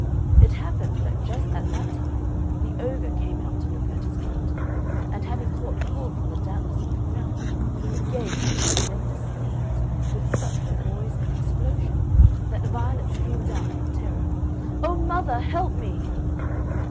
It happened that just at that time the ogre came out to look at his garden, and having caught cold from the dampness of the ground, he gave such a tremendous sneeze, with such a noise and explosion, that Violet screamed out with terror, "Oh, mother, help me!"